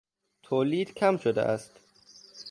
تولید کم شده است.